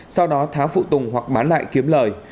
sau đó tháo phụ tùng hoặc bán lại kiếm lời